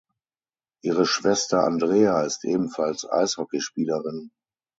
Ihre Schwester Andrea ist ebenfalls Eishockeyspielerin.